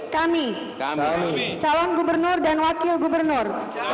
kami calon gubernur dan wakil gubernur